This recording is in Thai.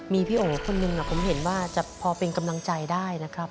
มีพี่โอ๋คนหนึ่งผมเห็นว่าจะพอเป็นกำลังใจได้นะครับ